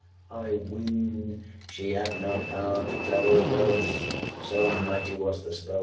I ween, she had no power to tell Aught else: so mighty was the spell.